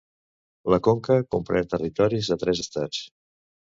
La conca comprèn territoris de tres estats: